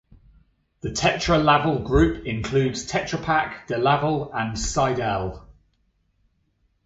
The Tetra Laval Group includes Tetra Pak, DeLaval and Sidel.